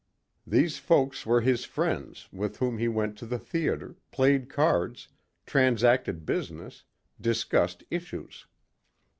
These folk were his friends with whom he went to the theater, played cards, transacted business, discussed issues.